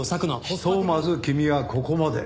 ひとまず君はここまで。